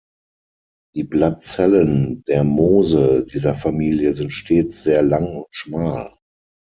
Die Blattzellen der Moose dieser Familie sind stets sehr lang und schmal.